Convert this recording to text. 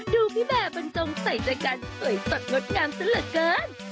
พี่แบบบรรจงใส่ใจกันสวยสดงดงามซะเหลือเกิน